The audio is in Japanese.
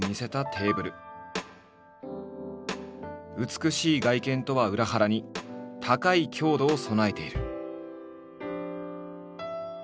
美しい外見とは裏腹に高い強度を備えている。